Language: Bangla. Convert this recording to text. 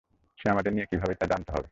সে আমাদের নিয়ে কি ভাবে তা জানতে হবে।